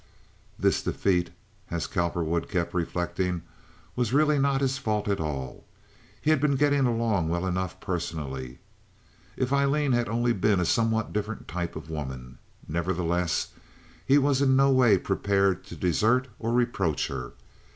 This defeat, as Cowperwood kept reflecting, was really not his fault at all. He had been getting along well enough personally. If Aileen had only been a somewhat different type of woman! Nevertheless, he was in no way prepared to desert or reproach her.